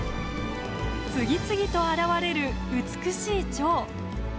次々と現れる美しいチョウ。